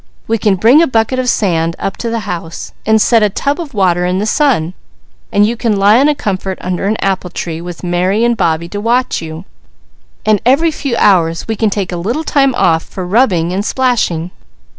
We can bring a bucket of sand up to the house, and set a tub of water in the sun, and you can lie on a comfort under an apple tree with Mary and Bobbie to watch you, and every few hours we can take a little time off for rubbing and splashing."